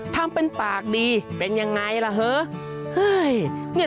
ทำเป็นปากดีเป็นยังไงล่ะเถอะ